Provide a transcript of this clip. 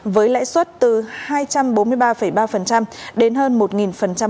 với lãi suất từ hai trăm bốn mươi ba ba đến hơn một năm